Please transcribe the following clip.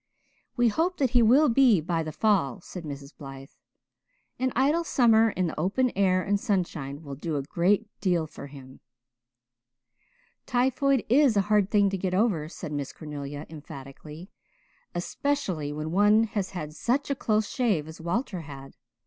"We hope that he will be by the fall," said Mrs. Blythe. "An idle summer in the open air and sunshine will do a great deal for him." "Typhoid is a hard thing to get over," said Miss Cornelia emphatically, "especially when one has had such a close shave as Walter had.